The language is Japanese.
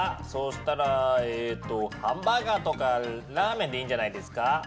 そうしたらえとハンバーガーとかラーメンでいいんじゃないですか？